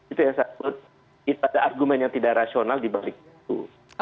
itu ada argumen yang tidak rasional di balik itu